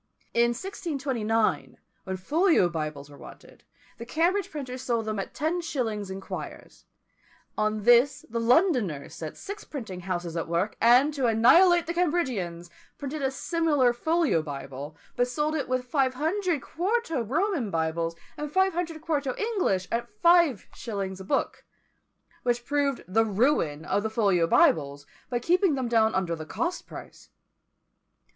In 1629, when folio Bibles were wanted, the Cambridge printers sold them at ten shillings in quires; on this the Londoners set six printing houses at work, and, to annihilate the Cambridgians, printed a similar folio Bible, but sold with it five hundred quarto Roman Bibles, and five hundred quarto English, at five shillings a book; which proved the ruin of the folio Bibles, by keeping them down under the cost price.